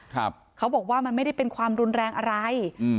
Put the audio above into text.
เขาบอกว่ามันไม่ได้เป็นความรุนแรงอะไรอืม